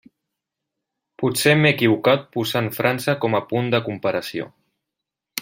Potser m'he equivocat posant França com a punt de comparació.